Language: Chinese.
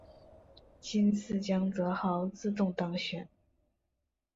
今次江泽濠自动当选。